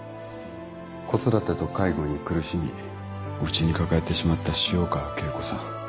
子育てと介護に苦しみ内に抱えてしまった潮川恵子さん。